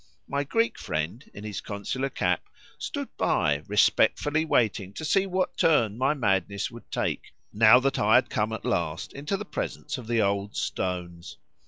My Greek friend in his consular cap stood by, respectfully waiting to see what turn my madness would take, now that I had come at last into the presence of the old stones.